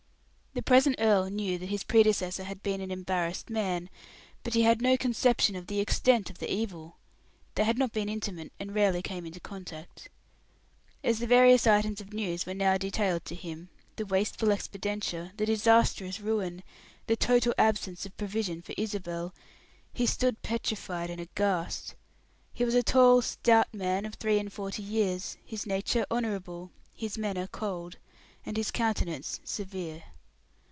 The present earl knew that his predecessor had been an embarrassed man, but he had no conception of the extent of the evil; they had not been intimate, and rarely came in contact. As the various items of news were now detailed to him the wasteful expenditure, the disastrous ruin, the total absence of provision for Isabel he stood petrified and aghast. He was a tall stout man, of three and forty years, his nature honorable, his manner cold, and his countenance severe.